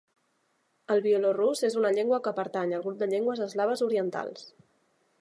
El bielorús és una llengua que pertany al grup de llengües eslaves orientals.